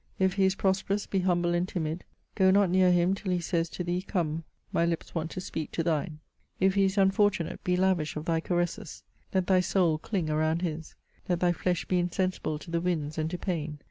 If he is prospe rous, be humble and timid ; go not near him till he says to thee> come, my hps want to speak to thine. '*'' If he is unfortunate, be lavish of thy caresses, let thy soul cling around his ; let thy flesh be insensible to the winds and to pain.'